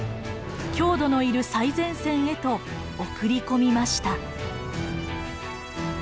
匈奴のいる最前線へと送り込みました。